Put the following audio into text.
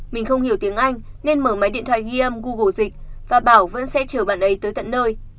mình không hiểu tiếng anh nên mở máy điện thoại ghi âm google dịch và bảo vẫn sẽ chờ bạn ấy tới tận nơi